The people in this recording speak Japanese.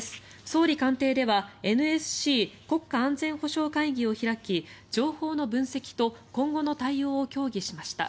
総理官邸ではＮＳＣ・国家安全保障会議を開き情報の分析と今後の対応を協議しました。